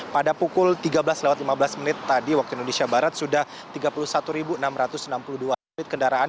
pada pukul tiga belas lima belas menit tadi waktu indonesia barat sudah tiga puluh satu enam ratus enam puluh dua kendaraan